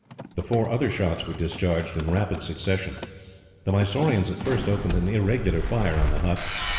The four other shots were discharged in rapid succession. The Mysoreans at first opened an irregular fire on the hut.